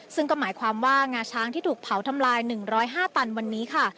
ซึ่งก็หมายความว่างาช้างที่ถูกเผาทำลาย๑๐๕ตันวันนี้ค่ะ